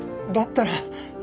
だったら。